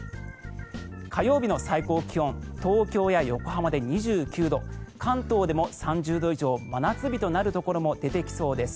火曜日の最高気温東京や横浜で２９度関東でも３０度以上真夏日となるところも出てきそうです。